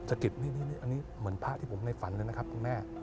อันนี้เหมือนพระที่ผมได้ฝันเลยนะครับคุณแม่